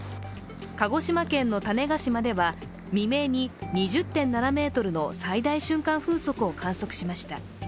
鹿児島県の種子島では未明に、２０．７メートルの最大瞬間風速を観測しました。